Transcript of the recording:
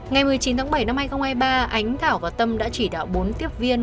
ngày một mươi chín tháng bảy năm hai nghìn hai mươi ba ánh thảo và tâm đã chỉ đạo bốn tiếp viên